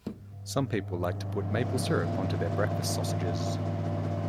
Some people like to put maple syrup onto their breakfast sausages.